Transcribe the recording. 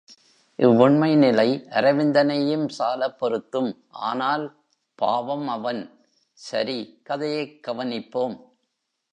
இவ்வுண்மை நிலை அரவிந்தனையும் சாலப் பொருத்தும், ஆனால்... பாவம், அவன்!... சரி, கதையைக் கவனிப்போம்!